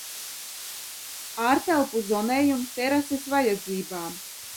Ārtelpu zonējums terases vajadzībām.